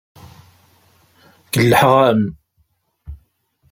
Kellḥeɣ-am.